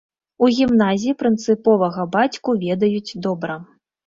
У гімназіі прынцыповага бацьку ведаюць добра.